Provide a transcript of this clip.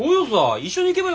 一緒に行けばよ